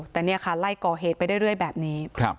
แต่เนี่ยค่ะไล่ก่อเหตุไปเรื่อยแบบนี้